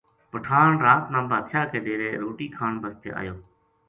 پٹھان رات نا بادشاہ کے ڈیرے روٹی کھان بسطے ایو